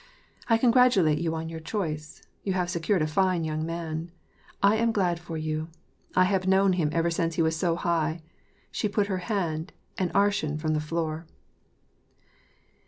I congratulate you on your choice. You have secured a fine young man. I am glad for you. I have known him ever since he was so high." She put her hand an arshin f from the floor.